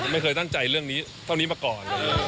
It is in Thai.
ไม่เคยตั้งใจเรื่องนี้เท่านี้มาก่อน